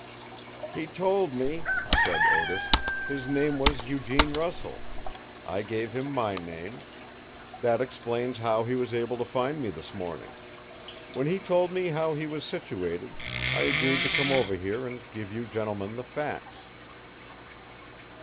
"He told me," said Otis, "his name was Eugene Russell. I gave him my name. That explains how he was able to find me this morning. When he told me how he was situated, I agreed to come over here and give you gentlemen the facts."